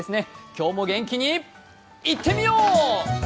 今日も元気にいってみよう！